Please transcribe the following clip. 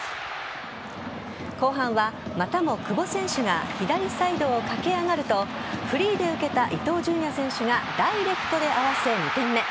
後半は、またも久保選手が左サイドを駆け上がるとフリーで受けた伊東純也選手がダイレクトで合わせ２点目。